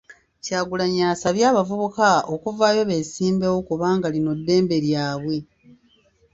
Kyagulanyi asabye abavubuka okuvaayo beesimbewo kubanga lino ddembe lyabwe.